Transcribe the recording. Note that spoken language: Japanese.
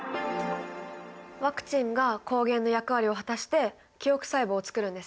ワクチンが抗原の役割を果たして記憶細胞をつくるんですね。